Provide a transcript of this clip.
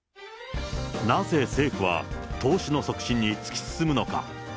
なぜ政府は、投資の促進に突き進むのか。